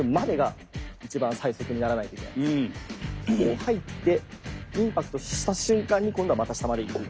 こう入ってインパクトした瞬間に今度はまた下までいく。